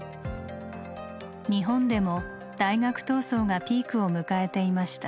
日本でも大学闘争がピークを迎えていました。